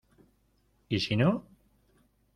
¿ y si no...?